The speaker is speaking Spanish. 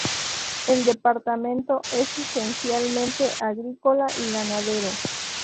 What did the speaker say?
El departamento es esencialmente agrícola y ganadero.